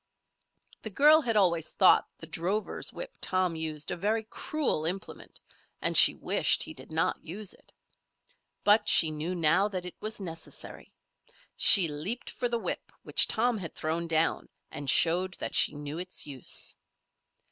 The girl had always thought the drover's whip Tom used a very cruel implement, and she wished he did not use it. But she knew now that it was necessary. She leaped for the whip which Tom had thrown down and showed that she knew its use.